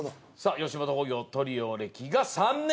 吉本興業トリオ歴が３年。